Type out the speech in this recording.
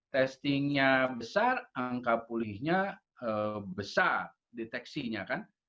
testingnya besar angka pulihnya besar deteksinya kan